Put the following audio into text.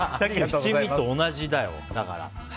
七味と同じだよ、だから。